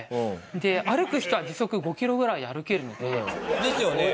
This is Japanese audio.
で歩く人は時速５キロぐらいで歩けるので。ですよね。